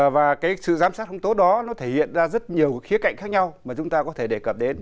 và cái sự giám sát không tốt đó nó thể hiện ra rất nhiều khía cạnh khác nhau mà chúng ta có thể đề cập đến